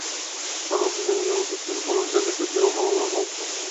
আনোয়ার হোসেনের জন্ম তৎকালীন খুলনা জেলার সাতক্ষীরা মহকুমার বুধহাটি গ্রামের দরিদ্র পরিবারে।